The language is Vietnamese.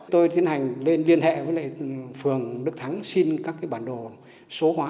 tôi tiến hành liên hệ với phường đức thắng xin các bản đồ số hóa